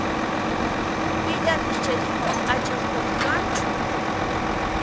Pillapis chayhina p'acha ruwaq kanchu?